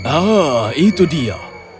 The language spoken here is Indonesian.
ah itu dia